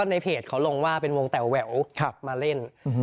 ในเพจเขาลงว่าเป็นวงแต๋วแหววมาเล่น